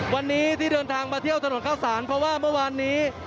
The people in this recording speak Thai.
วันนี้ที่เดินทางมาเที่ยวถนนข้าวสารเพราะว่าเมื่อวานนี้